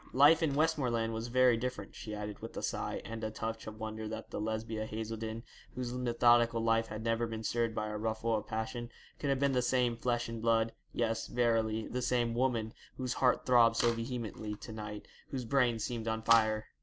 Life in Westmoreland was very different,' she added, with a sigh, and a touch of wonder that the Lesbia Haselden, whose methodical life had never been stirred by a ruffle of passion, could have been the same flesh and blood yes, verily, the same woman, whose heart throbbed so vehemently to night, whose brain seemed on fire.